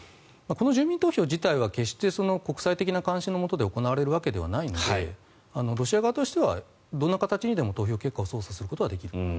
この住民投票自体は決して国際的な関心のもとで行われるわけではないのでロシア側としてはどんな形にでも投票結果を操作することはできる。